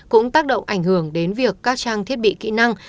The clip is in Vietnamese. cũng tác động ảnh hưởng đến việc các trang thiết bị kỹ năng